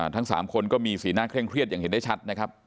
ทั้ง๓คนก็มีสีหน้าเคร่งเครียดอย่างเห็นได้ชัดนะครับ